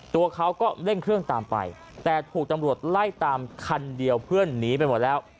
ตัวเขาก็เร่งเครื่องตามไปแต่ถูกตำรวจไล่ตามคันเดียวเพื่อนหนีไปหมดแล้ว